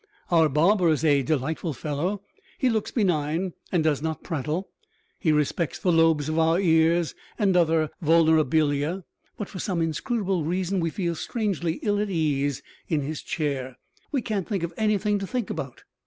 Our barber is a delightful fellow; he looks benign and does not prattle; he respects the lobes of our ears and other vulnerabilia. But for some inscrutable reason we feel strangely ill at ease in his chair. We can't think of anything to think about.